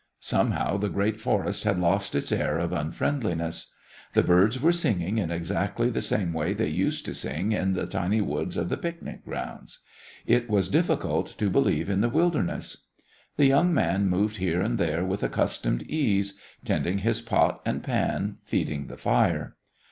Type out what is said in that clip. Somehow the great forest had lost its air of unfriendliness. The birds were singing in exactly the same way they used to sing in the tiny woods of the Picnic Grounds. It was difficult to believe in the wilderness. The young man moved here and there with accustomed ease, tending his pot and pan, feeding the fire.